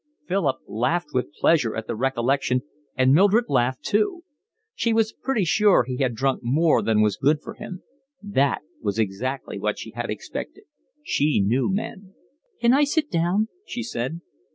Philip laughed with pleasure at the recollection, and Mildred laughed too. She was pretty sure he had drunk more than was good for him. That was exactly what she had expected. She knew men. "Can I sit down?" she said.